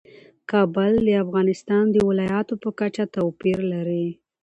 کابل د افغانستان د ولایاتو په کچه توپیر لري.